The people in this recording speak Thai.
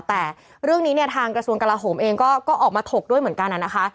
แต่เรื่องนี้เนี่ยทางกระทรวงกลาโหมเองก็ออกมาถกด้วยเหมือนกันนะคะ